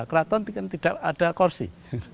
keraton kan tidak ada korsi